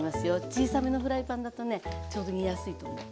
小さめのフライパンだとねちょうど煮やすいと思う。